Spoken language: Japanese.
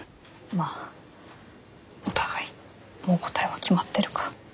まあお互いもう答えは決まってるか。